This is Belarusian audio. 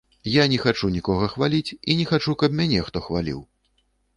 Я не хачу нікога хваліць і не хачу, каб мяне хто хваліў.